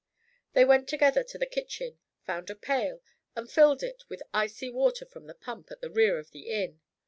They went together to the kitchen, found a pail, and filled it with icy water from the pump at the rear of the inn.